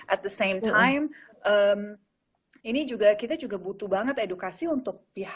at the same time ini juga kita juga butuh banget edukasi untuk pihak yang bisa mencari solusi